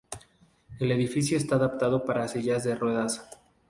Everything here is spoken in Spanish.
El edificio está adaptado para sillas de ruedas.